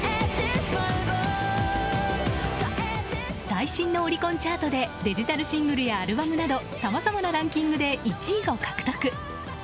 最新のオリコンチャートでデジタルシングルやアルバムなどさまざまなランキングで１位を獲得。